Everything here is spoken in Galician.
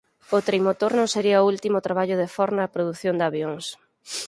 O Trimotor non sería o último traballo de Ford na produción de avións.